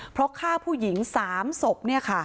เพราะฆ่าผู้หญิง๓ศพ